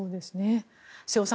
瀬尾さん